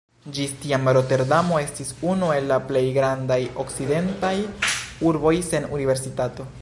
Ĝis tiam Roterdamo estis unu el la plej grandaj okcidentaj urboj sen universitato.